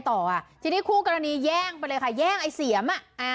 ทีนี้คู่กรณีแย่งไปเลยค่ะแย่งไอ้เสียม